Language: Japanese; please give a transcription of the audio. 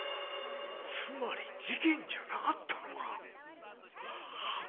つまり事件じゃなかったのか！